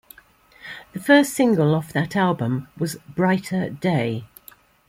The first single off that album was "Brighter Day".